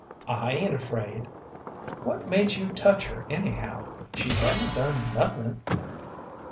"I ain't afraid." "What made you touch her, anyhow; she hadn't done nothin'?"